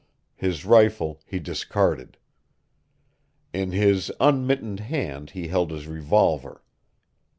His rifle he discarded. In his un mittened hand he held his revolver.